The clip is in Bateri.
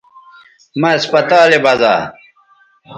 مہ اسپتالے بزا